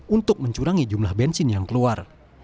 untuk mencurangi jumlah bensin yang keluar